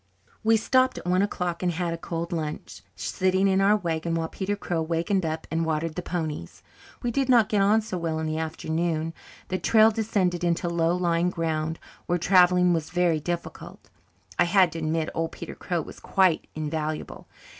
We stopped at one o'clock and had a cold lunch, sitting in our wagon, while Peter Crow wakened up and watered the ponies. We did not get on so well in the afternoon. The trail descended into low lying ground where travelling was very difficult. I had to admit old Peter Crow was quite invaluable.